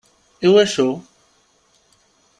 I wacu?